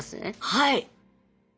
はい！